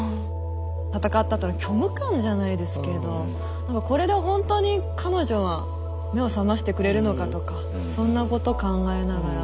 戦ったあとの虚無感じゃないですけど何かこれでほんとに彼女は目を覚ましてくれるのかとかそんなこと考えながら。